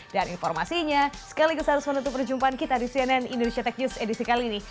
dan informasinya sekaligus harus menutup perjumpaan kita di cnn indonesia tech news edisi kali ini